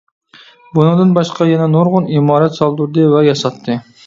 بۇنىڭدىن باشقا يەنە نۇرغۇن ئىمارەت سالدۇردى ۋە ياساتتى.